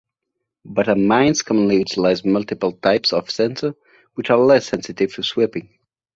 Bottom mines commonly utilize multiple types of sensors, which are less sensitive to sweeping.